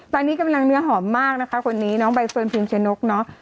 ตอนนี้กำลังเนื้อหอมมากนะคะคนนี้น้องใบเฟิร์นพิมชนกเนอะ